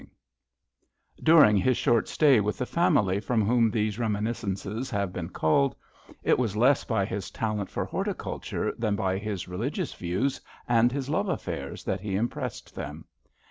67 HAMPSHIRE VIGNETTES During his short stay with the family from whom these reminiscences have been culled, it was less by his talent for horti culture than by his religious views and his love affairs that he impressed them.